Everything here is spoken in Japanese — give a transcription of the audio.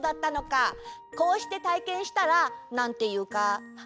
こうしてたいけんしたらなんていうかすごくわかった！